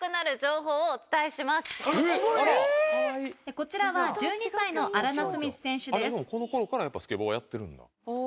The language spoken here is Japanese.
この頃からやっぱスケボーはやってるんだ。